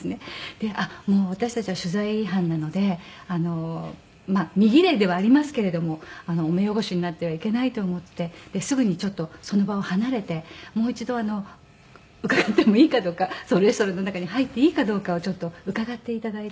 で私たちは取材班なので身奇麗ではありますけれどもお目汚しになってはいけないと思ってすぐにちょっとその場を離れてもう一度伺ってもいいかどうかレストランの中に入っていいかどうかをちょっと伺って頂いて。